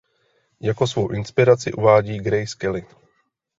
Jako svou inspiraci uvádí Grace Kelly.